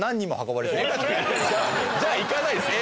じゃあ行かないですよ